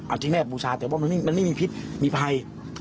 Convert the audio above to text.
เอาที่แม่บูชาแต่ว่ามันไม่มีพิษมีภัย